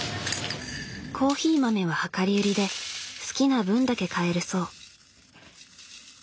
コーヒー豆は量り売りで好きな分だけ買えるそう。